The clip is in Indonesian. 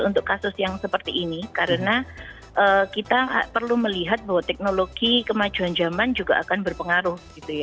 untuk kasus yang seperti ini karena kita perlu melihat bahwa teknologi kemajuan zaman juga akan berpengaruh